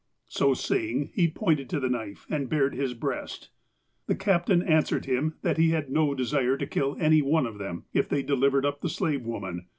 So saying, he pointed to the knife, and bared his breast. The captain answered him that he had no desire to kill any one of them, if they delivered up the slave woman.